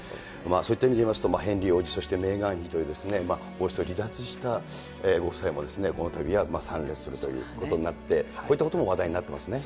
そういった意味でいいますと、ヘンリー王子、そしてメーガン妃という、王室を離脱したご夫妻も、このたびは参列するということになって、こういったことも話題になってますね。